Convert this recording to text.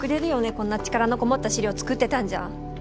こんな力のこもった資料作ってたんじゃ。